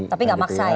tapi gak maksa ya